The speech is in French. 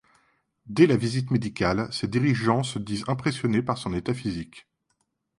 Dès la visite médicale, ses dirigeants se disent impressionnés par son état physique.